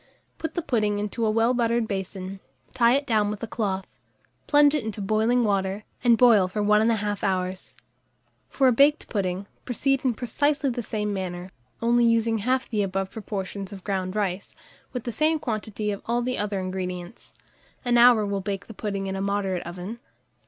Put the pudding into a well buttered basin, tie it down with a cloth, plunge it into boiling water, and boil for 1 1/2 hour. For a baked pudding, proceed in precisely the same manner, only using half the above proportion of ground rice, with the same quantity of all the other ingredients: an hour will bake the pudding in a moderate oven.